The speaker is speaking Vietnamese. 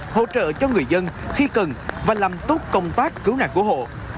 hỗ trợ cho người dân khi cần và làm tốt công tác cứu nạn cứu hộ